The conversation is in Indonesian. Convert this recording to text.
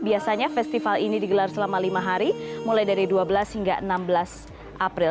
biasanya festival ini digelar selama lima hari mulai dari dua belas hingga enam belas april